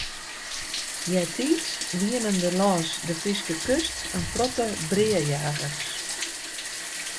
Eartiids wienen der lâns de Fryske kust in protte breajagers.